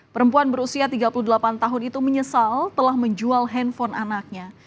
perempuan berusia tiga puluh delapan tahun itu menyesal telah menjual handphone anaknya